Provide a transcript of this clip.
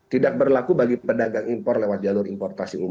tidak berlaku bagi pedagang impor lewat jalur importasi